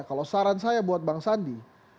kalau saran saya buat bang sandi